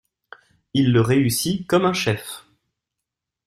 Il le réussit comme un chef.